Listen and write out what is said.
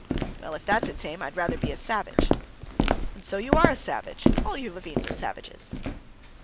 "Well, if that's its aim, I'd rather be a savage." "And so you are a savage. All you Levins are savages."